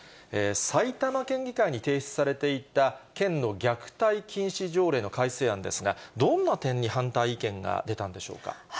埼玉県議会に提出されていた県の虐待禁止条例の改正案ですが、どんな点に反対意見が出たんでしょうか。